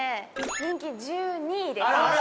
人気１２位です